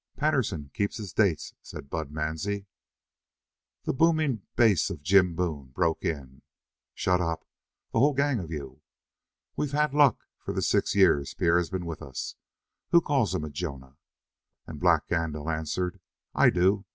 Patterson keeps his dates," said Bud Mansie. The booming bass of Jim Boone broke in: "Shut up, the whole gang of you. We've had luck for the six years Pierre has been with us. Who calls him a Jonah?" And Black Gandil answered: "I do.